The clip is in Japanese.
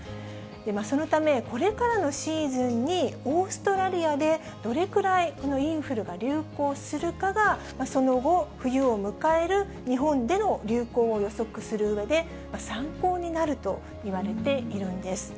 そのため、これからのシーズンにオーストラリアでどれくらいこのインフルが流行するかが、その後、冬を迎える日本での流行を予測するうえで参考になるといわれているんです。